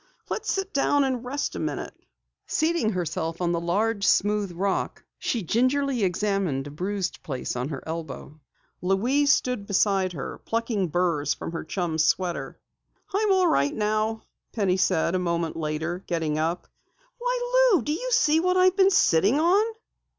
"Let's sit down and rest a minute." Seating herself on the large smooth rock, she gingerly examined a bruised place on her elbow. Louise stood beside her, plucking burs from her chum's sweater. "I'm all right now," Penny said a moment later, getting up. "Why, Lou! Do you see what I've been sitting on?"